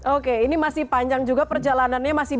oke ini masih panjang juga perjalanannya